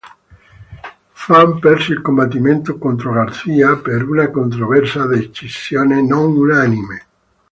Phan perse il combattimento contro Garcia per una controversa decisione non unanime.